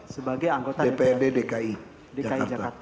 sebagai anggota dprd dki jakarta